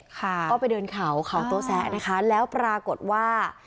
ค่ะก็ไปเดินเขาเขาโต๊แซะนะคะแล้วปรากฏว่า